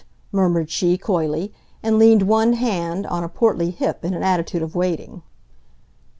murmured she, coyly, and leaned one hand on a portly hip in an attitude of waiting.